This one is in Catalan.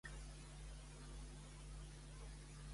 En quines obres conjuntes n'ha publicat?